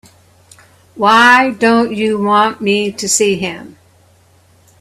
Why don't you want me to see him?